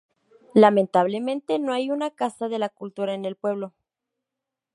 Lamentablemente no hay una casa de la cultura en el pueblo.